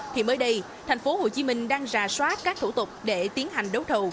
thì mới đây thành phố hồ chí minh đang ra soát các thủ tục để tiến hành đấu thầu